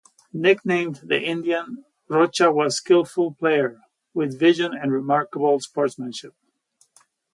Nicknamed "The Indian", Rocha was a skillful player, with vision and remarkable sportsmanship.